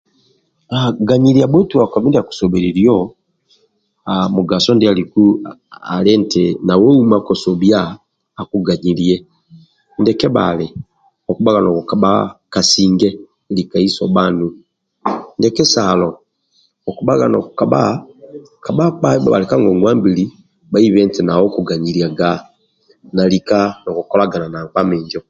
Ghanyilya bhotwako mindya kusobheleliya mugaso ndyaliku ali nti nawe uma kosobya akugamyiliye ndyakebhabhali okubhaga nokukabha kasinge ndyakesalo okukabha ka bakpa ndibhali ka ngongwambili bhaibhe nti nawe okuganyilyaga na lika nokukolagana na mpkpa minjo